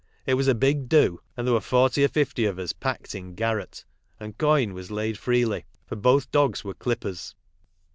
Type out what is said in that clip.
It was a big do, and there were forty or fifty of us packed in garret, and coin was laid freely, for both dogs were clippers.